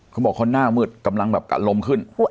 เขาบอกคนหน้ามืดกำลังแบบกะลมขึ้น